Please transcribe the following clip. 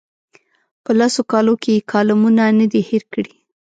په لسو کالو کې یې کالمونه نه دي هېر کړي.